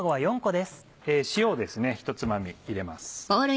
塩をひとつまみ入れます。